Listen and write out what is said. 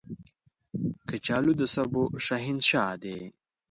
کچالو د سبو شهنشاه دی